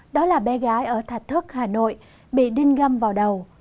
đó là bé gái ở thạch thức hà nội bị đinh găm vào đầu